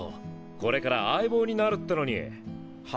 これから相棒になるってのに。